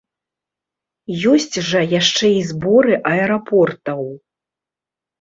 Ёсць жа яшчэ і зборы аэрапортаў.